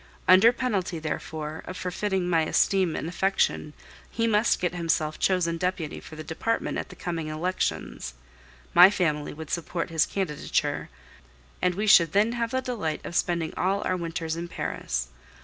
Under penalty, therefore, of forfeiting my esteem and affection, he must get himself chosen deputy for the department at the coming elections; my family would support his candidature, and we should then have the delight of spending all our winters in Paris.